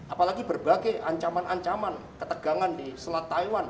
apalagi berbagai ancaman ancaman ketegangan di selat taiwan